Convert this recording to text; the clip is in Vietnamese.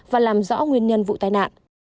và làm rõ nguyên nhân vụ tai nạn